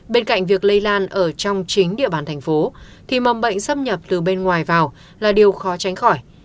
bên cạnh việc lây lan ở trong chính địa bàn thành phố thì mầm bệnh xâm nhập từ bên ngoài vào là điều khó tránh khỏi